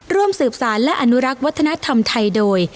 ร่วมสืบสารและอนุรักษ์วัฒนธรรมไทยโดย